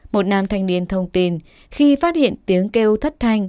một nam thanh niên thông tin khi phát hiện tiếng kêu thất thanh